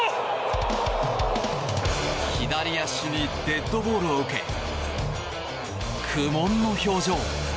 左足にデッドボールを受け苦悶の表情。